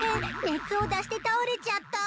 熱を出して倒れちゃった。